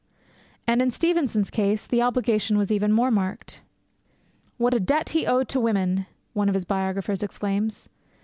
And in Stevenson's case the obligation is even more marked. 'What a debt he owed to women!' one of his biographers exclaims.